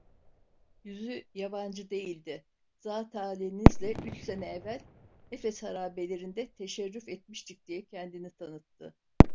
Yüzü yabancı değildi: "Zatıalinizle üç sene evvel Efes harabelerinde teşerrüf etmiştik!" diye kendini tanıttı.